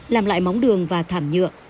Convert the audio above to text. làm lại móng đường và thảm nhựa